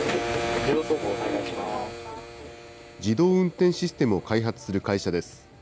自動運転システムを開発する会社です。